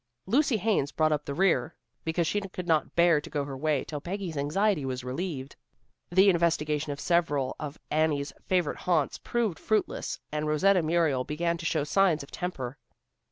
Lucy Haines brought up the rear, because she could not bear to go her way till Peggy's anxiety was relieved. The investigation of several of Annie's favorite haunts proved fruitless, and Rosetta Muriel began to show signs of temper.